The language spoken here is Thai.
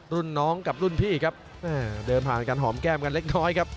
รุ่นน้องกับรุ่นพี่ครับเดินผ่านการหอมแก้มกันเล็กน้อยครับ